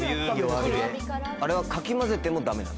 あれはかき混ぜてもだめなの？